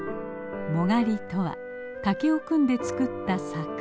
「もがり」とは竹を組んで作った柵。